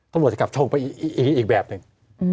ตำรวจจะกลับชกไปอีกแบบหนึ่ง